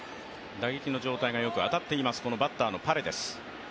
打撃の状態が良く当たっています、バッターのパレデス。